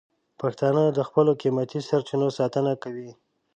پښتانه د خپلو قیمتي سرچینو ساتنه کوي.